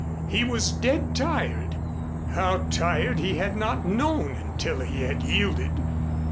He was dead tired how tired he had not known until he had yielded.